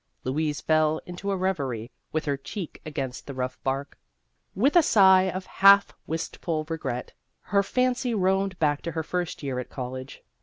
Louise fell into a reverie with her cheek against the rough bark. With a sigh of half wistful regret, her fancy roamed back to her first year at college.